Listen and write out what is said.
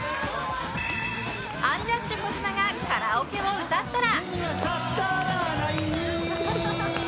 アンジャッシュ児嶋がカラオケを歌ったら。